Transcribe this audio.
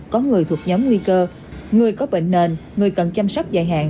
có người thuộc nhóm nguy cơ người có bệnh nền người cần chăm sóc dài hạn